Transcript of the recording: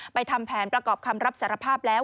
ทำแผนประกอบคำรับสารภาพแล้ว